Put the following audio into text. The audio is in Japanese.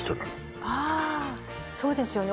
そうですよね